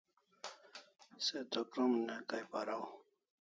Se to krom ne kai paraw